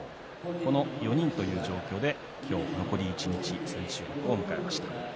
この４人という状況で今日残り一日千秋楽を迎えました。